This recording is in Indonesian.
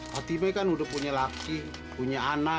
hatibe kan udah punya laki punya anak